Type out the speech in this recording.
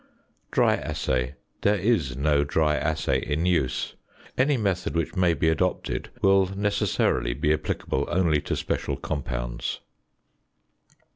~Dry Assay.~ There is no dry assay in use. Any method which may be adopted will necessarily be applicable only to special compounds.